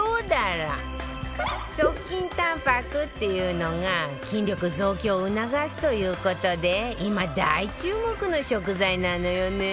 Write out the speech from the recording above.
速筋タンパクっていうのが筋力増強を促すという事で今大注目の食材なのよね